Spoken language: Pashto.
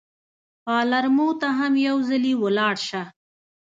پالرمو ته هم یو ځلي ولاړ شه.